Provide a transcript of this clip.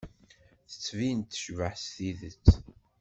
Tettbin-d tecbeḥ s tidet.